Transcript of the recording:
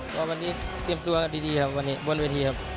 ก็วันนี้เตรียมตัวกันดีครับวันนี้บนเวทีครับ